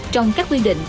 trong các quy định